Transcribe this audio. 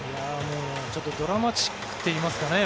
ちょっとドラマチックといいますかね